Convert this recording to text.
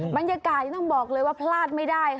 บรรยากาศต้องบอกเลยว่าพลาดไม่ได้ค่ะ